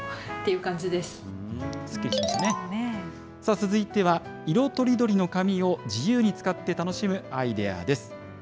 続いては、色とりどりの紙を自由に使って楽しむアイデアです。